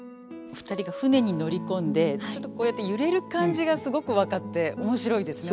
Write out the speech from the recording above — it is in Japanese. ２人が舟に乗り込んでちょっとこうやって揺れる感じがすごく分かって面白いですね